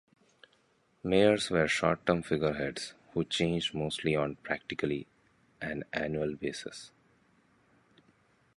Mayors were short-term figureheads who changed mostly on practically an annual basis.